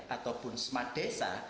ataupun smart desa